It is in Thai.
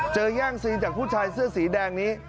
แย่งซีนจากผู้ชายเสื้อสีแดงนี้